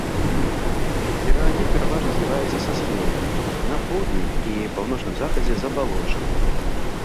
Берагі пераважна зліваюцца са схіламі, на поўдні і паўночным захадзе забалочаныя.